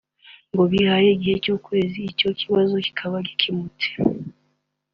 ngo bihaye igihe cy’ukwezi icyo kibazo kikaba gikemutse